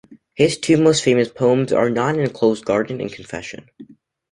His two most famous poems are "Not an enclosed Garden" and "Confession".